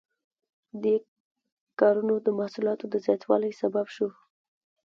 دې کارونو د محصولاتو د زیاتوالي سبب شو.